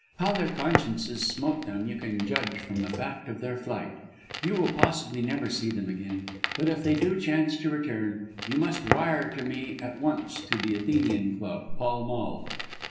How their consciences smote them you can judge from the fact of their flight. You will possibly never see them again. But if they do chance to return you must wire to me at once to the Athenian Club, Pall Mall."